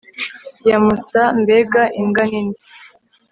yamusa mbega imbwa nini